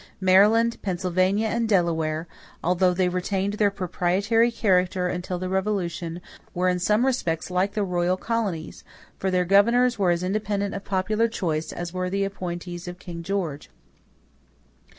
Maryland, Pennsylvania, and Delaware, although they retained their proprietary character until the Revolution, were in some respects like the royal colonies, for their governors were as independent of popular choice as were the appointees of King George.